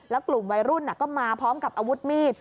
แล้วกลุ่มวัยรุ่นก็มาพร้อมกับอาวุธมีด